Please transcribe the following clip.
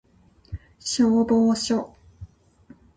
消防署